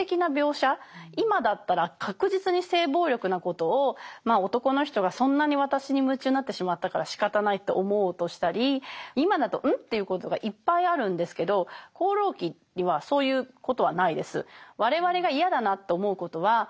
今だったら確実に性暴力なことを「男の人がそんなに私に夢中になってしまったからしかたない」と思おうとしたり今だと「うん？」っていうことがいっぱいあるんですけど「放浪記」にはそういうことはないです。